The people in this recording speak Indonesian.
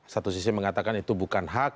satu sisi mengatakan itu bukan hak